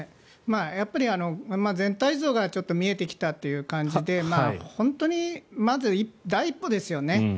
やっぱり全体像が見えてきたという感じで本当に、まず第一歩ですよね。